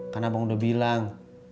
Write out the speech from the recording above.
kan abang udah bilang